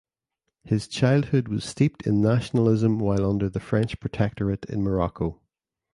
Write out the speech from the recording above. His childhood was steeped in nationalism while under the French Protectorate in Morocco.